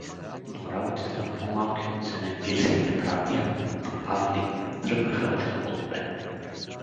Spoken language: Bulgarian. Но работите на по-малкия от сенебирските братя, на Павли, тръгнаха още по-добре.